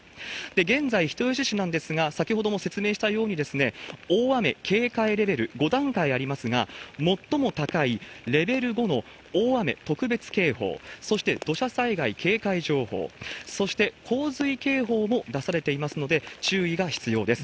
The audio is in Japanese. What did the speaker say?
現在、人吉市なんですが、先ほども説明したように、大雨警戒レベル５段階ありますが、最も高いレベル５の大雨特別警報、そして土砂災害警戒情報、そして洪水警報も出されていますので、注意が必要です。